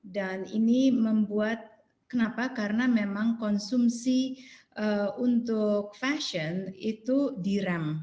dan ini membuat kenapa karena memang konsumsi untuk fashion itu direm